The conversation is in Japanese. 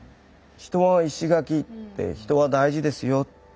「人は石垣」って人は大事ですよって。